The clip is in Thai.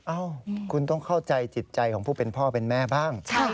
เอ้าคุณต้องเข้าใจจิตใจของผู้เป็นพ่อเป็นแม่บ้าง